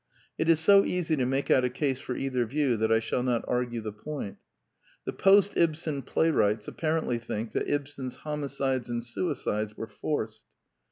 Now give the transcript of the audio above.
It is so easy to make out a case for either view that I shall not argue the point. The post Ibsen playwrights apparently think that Ibsen's homicides and suicides were forced.